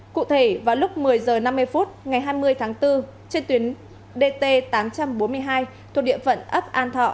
cụ thể vào lúc một mươi h năm mươi phút ngày hai mươi tháng bốn trên tuyến dt tám trăm bốn mươi hai thuộc địa phận ấp an thọ